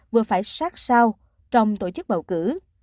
vừa phải sát sao trong tổ chức bầu cử